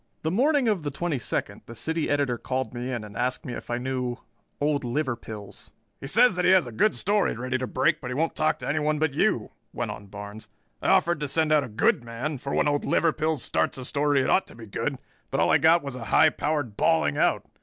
The morning of the twenty second the City Editor called me in and asked me if I knew "Old Liverpills." "He says that he has a good story ready to break but he won't talk to anyone but you," went on Barnes. "I offered to send out a good man, for when Old Liverpills starts a story it ought to be good, but all I got was a high powered bawling out.